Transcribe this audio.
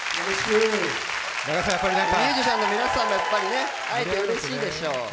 ミュージシャンの皆さんも会えてうれしいでしょう。